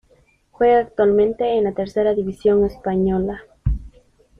Juega actualmente en la Tercera División Española.